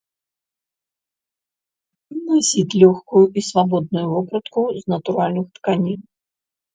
Насіць лёгкую і свабодную вопратку з натуральных тканін.